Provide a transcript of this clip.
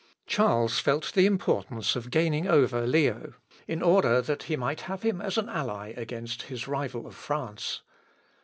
Charles felt the importance of gaining over Leo, in order that he might have him as an ally against his rival of France.